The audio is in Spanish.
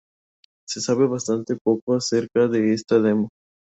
Se sabe bastante poco acerca de esta demo.